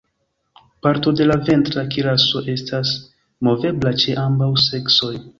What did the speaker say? Parto de la ventra kiraso estas movebla ĉe ambaŭ seksoj.